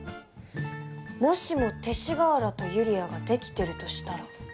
もしも勅使川原とユリアがデキてるとしたら。